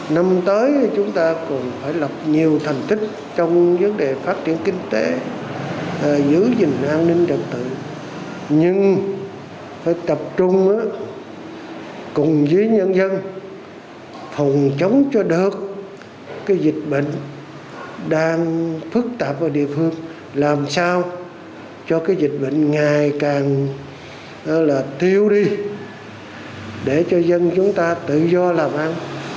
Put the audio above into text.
năm tới chúng ta cũng phải lập nhiều thành tích trong vấn đề phát triển kinh tế giữ gìn an ninh đặc tự nhưng phải tập trung cùng với nhân dân phòng chống cho được dịch bệnh đang phức tạp ở địa phương làm sao cho dịch bệnh ngày càng thiếu đi để cho dân chúng ta tự do làm ăn